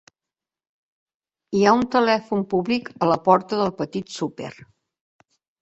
Hi ha un telèfon públic a la porta del petit súper.